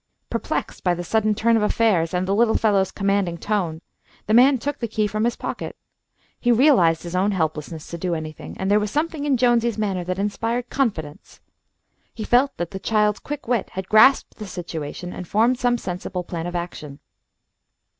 Perplexed by the sudden turn of affairs and the little fellow's commanding tone, the man took the key from his pocket. He realised his own helplessness to do anything, and there was something in Jonesy's manner that inspired confidence. He felt that the child's quick wit had grasped the situation and formed some sensible plan of action.